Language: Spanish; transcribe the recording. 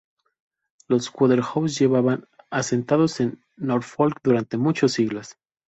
Los Wodehouse llevaban asentados en Norfolk durante muchos siglos.